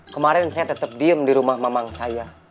kemarin saya tetep diem di rumah mamang saya